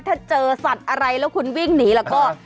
ถ้าเจอสัตว์อะไรแล้วคุณวิ่งหนีแล้วก็